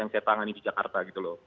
yang saya tangani di jakarta gitu loh